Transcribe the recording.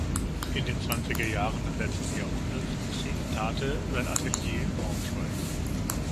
In den zwanziger Jahres des letzten Jahrhunderts betrieb Thate sein Atelier in Braunschweig.